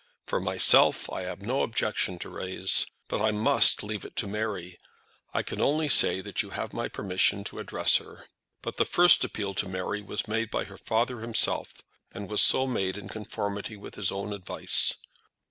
"For myself, I have no objection to raise. But I must leave it to Mary. I can only say that you have my permission to address her." But the first appeal to Mary was made by her father himself, and was so made in conformity with his own advice.